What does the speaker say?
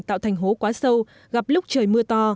tạo thành hố quá sâu gặp lúc trời mưa to